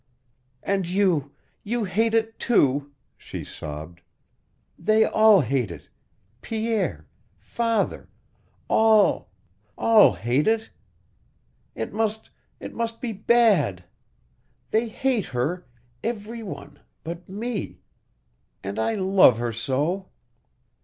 "And you you hate it, too!" she sobbed. "They all hate it Pierre father all all hate it. It must it must be bad. They hate her every one but me. And I love her so!"